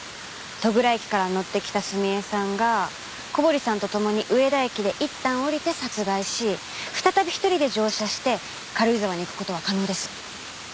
戸倉駅から乗ってきた澄江さんが小堀さんと共に上田駅でいったん降りて殺害し再び１人で乗車して軽井沢に行く事は可能です。